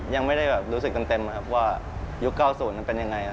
ยังไม่ได้รู้สึกเต็มว่ายุค๙๐มันเป็นยังไง